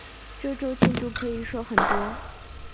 这周进度可以说很多